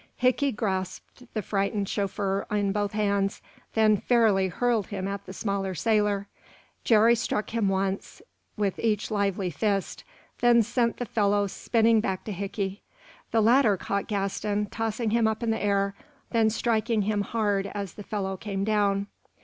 Hickey grasped the frightened chauffeur in both hands, then fairly hurled him at the smaller sailor. Jerry struck him once, with each lively fist, then sent the fellow spinning back to Hickey. The latter caught Gaston, tossing him up in the air, then striking him hard as the fellow came down.